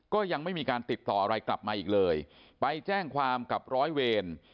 ก็ยังไม่มีการติดต่ออะไรกลับมาอีกเลยไปแจ้งความกับร้อยเวร